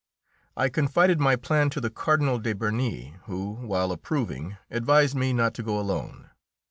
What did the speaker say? I confided my plan to the Cardinal de Bernis, who, while approving, advised me not to go alone.